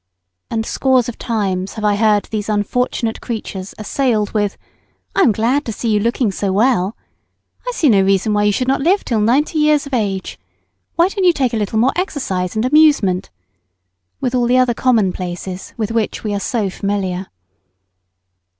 And scores of times have I heard these unfortunate creatures assailed with, "I am glad to see you looking so well." "I see no reason why you should not live till ninety years of age." "Why don't you take a little more exercise and amusement," with all the other commonplaces with which we are so familiar.